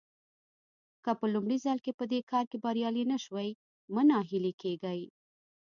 که په لومړي ځل په دې کار کې بريالي نه شوئ مه ناهيلي کېږئ.